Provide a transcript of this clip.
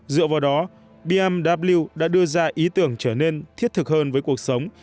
dựa vào đó bmw đã đưa ra ý tưởng trở nên thiết thực hơn với cuộc sống